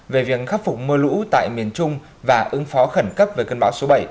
về việc khắc phục mưa lũ tại miền trung và ứng phó khẩn cấp về cơn bão số bảy